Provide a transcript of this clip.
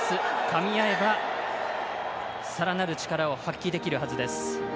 かみ合えばさらなる力を発揮できるはずです。